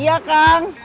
ya udah kang